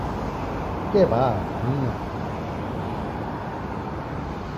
¡ qué va, Niña!